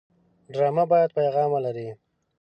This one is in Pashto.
ډرامه باید پیغام ولري